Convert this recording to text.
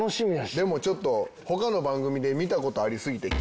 でもちょっと他の番組で見た事ありすぎて。